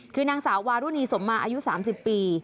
คือนางสาววารุณีสมมาอายุ๓๐ปี